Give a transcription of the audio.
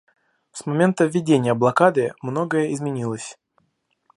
С момента введения блокады многое изменилось.